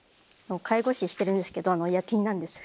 介護士してるんですけど夜勤なんです。